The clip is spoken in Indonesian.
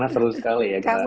seru sekali agar